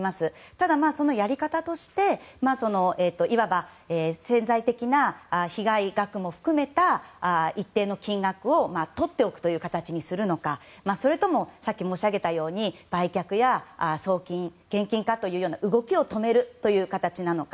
ただ、やり方としていわば潜在的な被害額も含めた一定の金額を取っておくという形にするのかそれともさっき申し上げたように売却や送金、現金化という動きを止めるという形なのか。